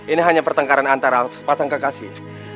ini hanya pertengkaran antara sepasang kekasih